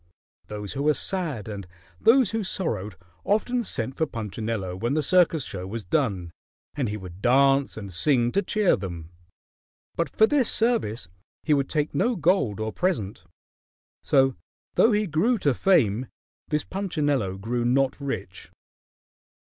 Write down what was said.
Those who were sad and those who sorrowed often sent for Punchinello when the circus show was done, and he would dance and sing to cheer them. But for this service he would take no gold or present. So though he grew to fame, this Punchinello grew not rich.